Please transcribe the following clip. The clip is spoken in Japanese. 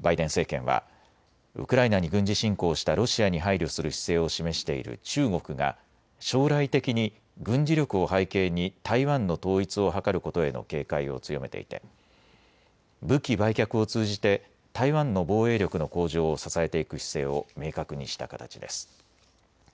バイデン政権はウクライナに軍事侵攻したロシアに配慮する姿勢を示している中国が将来的に軍事力を背景に台湾の統一を図ることへの警戒を強めていて武器売却を通じて台湾の防衛力の向上を支えていく姿勢を明確にした形です。